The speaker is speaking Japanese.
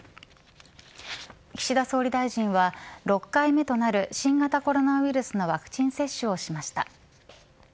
岸田総理大臣は６回目となる新型コロナウイルスのワクチン接種をしました。